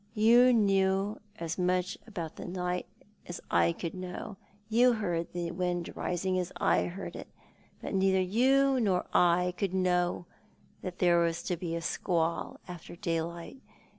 You knew as much about the night as I could know. You heard the wind rising, as I heard it. But neither you nor I could know that there was to be a squall after daylight.